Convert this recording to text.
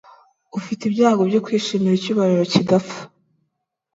ufite ibyago byo kwishimira icyubahiro kidapfa